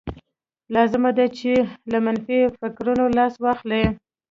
لازمه ده چې له منفي فکرونو لاس واخلئ.